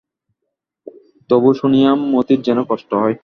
তবু শুনিয়া মতির যেন কষ্ট হয়।